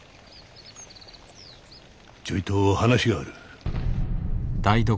ちょいと話がある。